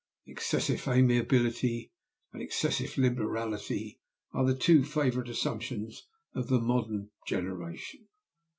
Excessive amiability and excessive liberality are the two favorite assumptions of the modern generation.